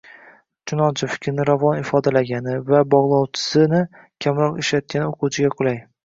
Chunonchi, fikrni ravon ifodalagani, “va” bog‘lovchisini kamroq ishlatgani o‘quvchiga qulay.